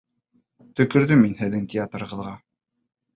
Төкөрҙөм мин һеҙҙең театрығыҙға!